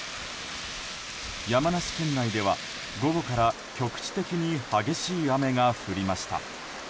山梨県内では午後から局地的に激しい雨が降りました。